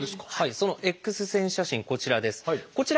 そのＸ線写真こちらです。